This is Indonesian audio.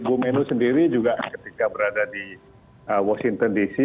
bu menuh sendiri juga ketika berada di washington dc